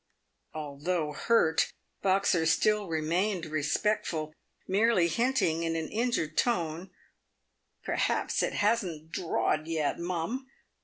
Although hurt, Boxer still remained respectful, merely hinting, in an injured tone, "Perhaps it hasn't drawed yet, mum."